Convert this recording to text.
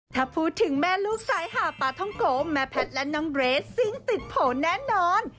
ถ้าพูดถึงแม่ลูกสายหาปลาท่องโกแม่แพทย์และน้องเรสซิ่งติดโผล่แน่นอน